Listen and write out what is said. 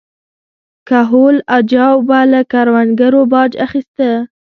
کهول اجاو به له کروندګرو باج اخیسته